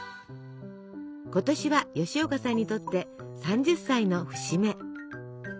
今年は吉岡さんにとって３０歳の節目。